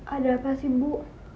ada apa sih bu